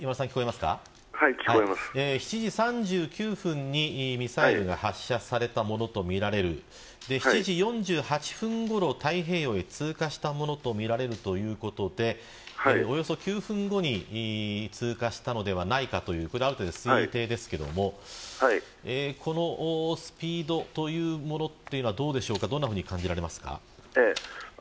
７時３９分にミサイルが発射されたものとみられる７時４８分ごろ太平洋へ通過したものとみられるということでおよそ９分後に通過したのではないかという推定ですがこのスピードはどのように感じられますか。